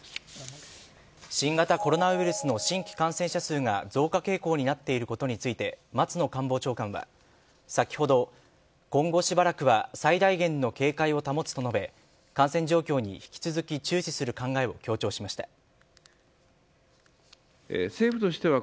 新型コロナウイルスの新規感染者数が増加傾向になっていることについて松野官房長官は先ほど今後、しばらくは最大限の警戒を保つと述べ感染状況に引き続き注視する考えを強調しました。